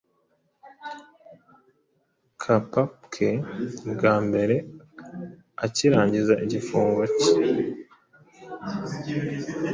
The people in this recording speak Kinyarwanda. Kacapwe bwa mbere akirangiza igifungo cye